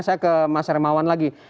saya ke mas hermawan lagi